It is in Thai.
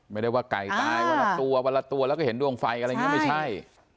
ไม่ได้ว่าไก่ตายวันละตัววันละตัวแล้วก็เห็นดวงไฟอะไรอย่างนี้ไม่ใช่